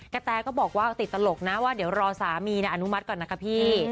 แตก็บอกว่าติดตลกนะว่าเดี๋ยวรอสามีอนุมัติก่อนนะคะพี่